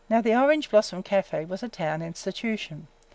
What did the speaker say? the Orange Blossom Café was a town institution.